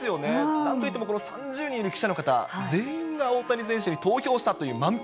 なんといっても、この３０人いる記者の方、全員が大谷選手に投票したという満票。